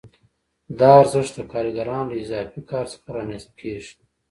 دا ارزښت د کارګرانو له اضافي کار څخه رامنځته کېږي